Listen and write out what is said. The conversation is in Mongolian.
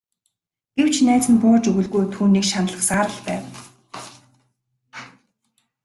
Гэвч найз нь бууж өгсөнгүй түүнийг шаналгасаар л байв.